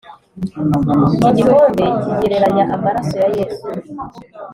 iki gikombe kigereranya amaraso ya yesu